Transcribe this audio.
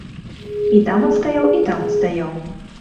І там адстаяў, і там адстаяў.